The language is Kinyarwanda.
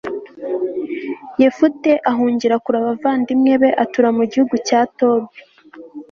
yefute ahungira kure abavandimwe be atura mu gihugu cya tobi